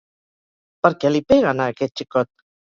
Per què li peguen, a aquest xicot?